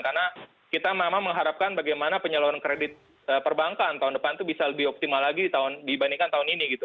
karena kita memang mengharapkan bagaimana penyeluruhan kredit perbankan tahun depan itu bisa lebih optimal lagi dibandingkan tahun ini gitu